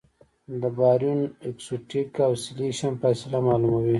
د باریون اکوسټک اوسیلیشن فاصله معلوموي.